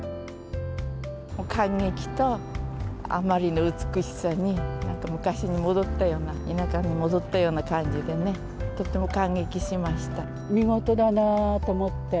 感激とあまりの美しさに、なんか昔に戻ったような、田舎に戻ったような感じでね、とても感見事だなと思って。